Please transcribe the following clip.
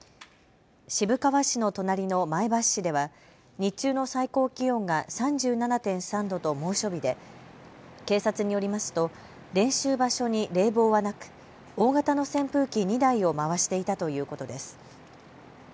渋川市の隣の前橋市では日中の最高気温が３７．３度と猛暑日で警察によりますと練習場所に冷房はなく大型の扇風機２台を回していたということです。